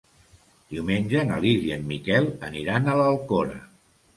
Diumenge na Lis i en Miquel aniran a l'Alcora.